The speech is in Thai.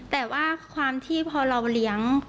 แต่ว่าความที่พอเราเลี้ยง